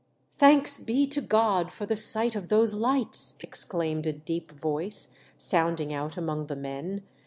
" Thanks be to God for the sight of those lights !" exclaimed a deep voice, sounding out among the men.